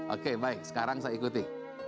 oke baik sekarang saya ikuti